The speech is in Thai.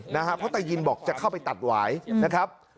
นะฮะเพราะตายินบอกจะเข้าไปตัดหวายนะครับ